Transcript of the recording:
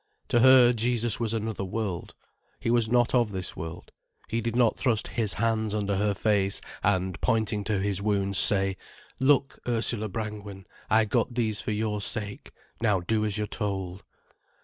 To her Jesus was another world, He was not of this world. He did not thrust His hands under her face and, pointing to His wounds, say: "Look, Ursula Brangwen, I got these for your sake. Now do as you're told."